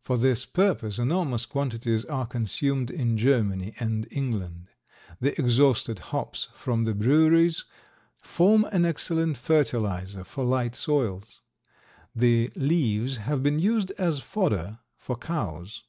For this purpose enormous quantities are consumed in Germany and England. The exhausted hops from the breweries form an excellent fertilizer for light soils. The leaves have been used as fodder for cows.